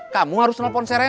kamu harus nelfon serena